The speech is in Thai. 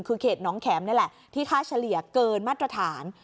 คือเขตน้องแข็มนี่แหละที่ค่าเฉลี่ยเกินมาตรฐาน